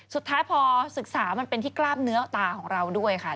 สุดท้ายพอศึกษามันเป็นที่กล้ามเนื้อตาของเราด้วยค่ะ